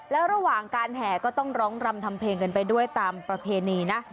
แล้วระหว่างการแห่ก็ต้องร้องรำทำเพลงกันไปด้วยตามประเพณีนะ